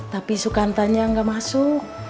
tapi sukantanya gak masuk